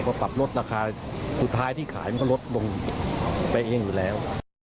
ก็ปรับลดราคาสุดท้ายที่ขายมันก็ลดลงไปเองอยู่แล้ว